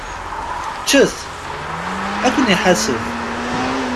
Ččet! Ad ken-iḥaseb!